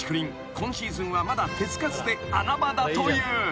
今シーズンはまだ手付かずで穴場だという］